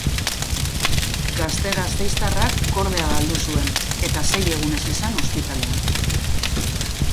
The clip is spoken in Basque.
Gazte gasteiztarrak kordea galdu zuen eta sei egunez izan ospitalean.